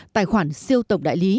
tài khoản siêu tổng đại lý